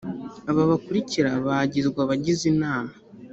aba bakurikira bagizwe abagize inama